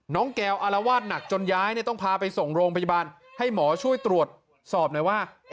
แก้วอารวาสหนักจนย้ายเนี่ยต้องพาไปส่งโรงพยาบาลให้หมอช่วยตรวจสอบหน่อยว่า